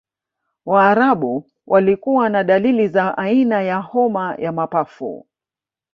waarabu walikuwa na dalili za aina ya homa ya mapafu